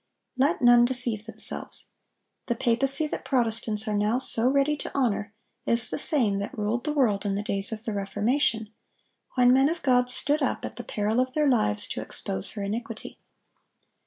Let none deceive themselves. The papacy that Protestants are now so ready to honor is the same that ruled the world in the days of the Reformation, when men of God stood up, at the peril of their lives, to expose her iniquity.